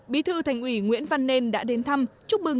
bí thư thành ủy nguyễn văn nên đã đến thăm chúc mừng